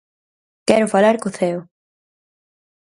Quero falar co ceo.